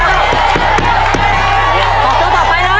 ระวังมือได้อยู่นะขอให้ระวังมือด้วยนะคะ